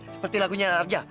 seperti lagunya raja